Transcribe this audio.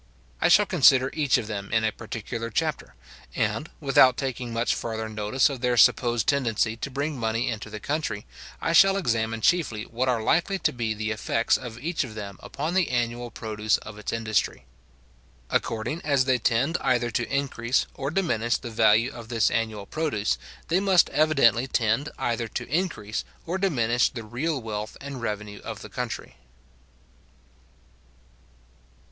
I shall consider each of them in a particular chapter, and, without taking much farther notice of their supposed tendency to bring money into the country, I shall examine chiefly what are likely to be the effects of each of them upon the annual produce of its industry. According as they tend either to increase or diminish the value of this annual produce, they must evidently tend either to increase or diminish the real wealth and revenue of the country.